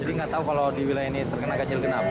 jadi nggak tahu kalau di wilayah ini terkena ganjil genap